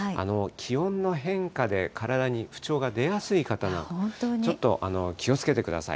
気温の変化で体に不調が出やすい方が、ちょっと気をつけてください。